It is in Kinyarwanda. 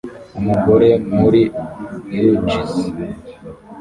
Umugore muri uggs